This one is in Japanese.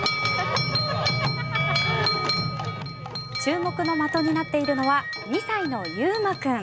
注目の的になっているのは２歳の悠真君。